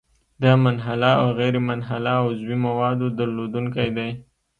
د منحله او غیرمنحله عضوي موادو درلودونکی دی.